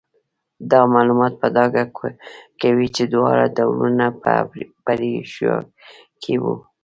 دا معلومات په ډاګه کوي چې دواړه ډولونه په ایروشیا کې وو.